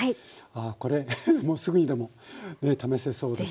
ああこれもうすぐにでも試せそうですね。